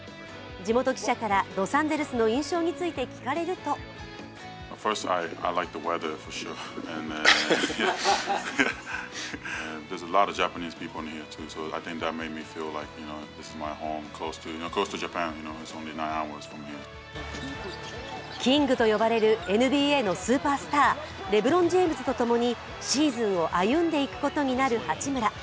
地元記者から、ロサンゼルスの印象について聞かれるとキングと呼ばれるＮＢＡのスーパースター、レブロン・ジェームズとともにシーズンを歩んでいくことになる八村。